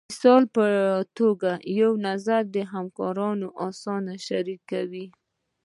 د مثال په توګه یو نظر په همکارانو کې اسانه شریکوئ.